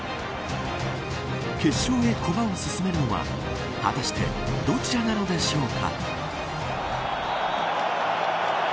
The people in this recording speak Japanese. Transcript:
決勝へ駒を進めるのは果たしてどちらなのでしょうか。